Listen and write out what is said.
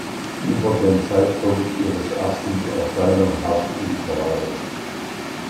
Über den Zeitpunkt ihres ersten Erscheinung herrscht Unklarheit.